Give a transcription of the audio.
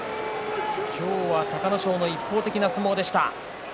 今日は隆の勝の一方的な相撲でした。